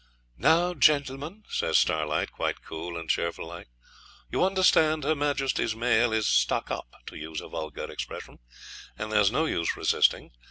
'Now, gentlemen,' says Starlight, quite cool and cheerful like, 'you understand her Majesty's mail is stuck up, to use a vulgar expression, and there's no use resisting.